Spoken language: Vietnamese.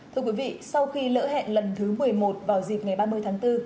thưa quý vị sau khi lỡ hẹn lần thứ một mươi một vào dịp ngày ba mươi tháng bốn